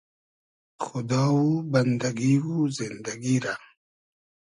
خودا و بئندئگی و زیندئگی رۂ